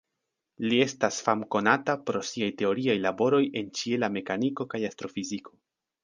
Li estas famkonata pro siaj teoriaj laboroj en ĉiela mekaniko kaj astrofiziko.